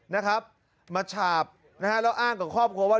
นะครับมาฉาบนะฮะแล้วอ้างกับครอบครัวว่า